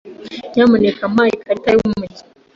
Nyamuneka mpa ikarita yumujyi.